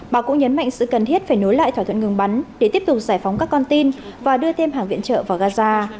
bà cũng nhấn mạnh sự cần thiết phải nối lại thỏa thuận ngừng bắn để tiếp tục giải phóng các con tin và đưa thêm hàng viện trợ vào gaza